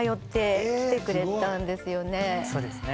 そうですね。